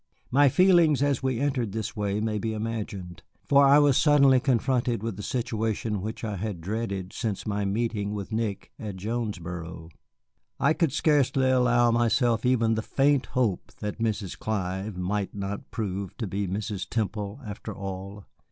My feelings as we entered this may be imagined, for I was suddenly confronted with the situation which I had dreaded since my meeting with Nick at Jonesboro. I could scarcely allow myself even the faint hope that Mrs. Clive might not prove to be Mrs. Temple after all.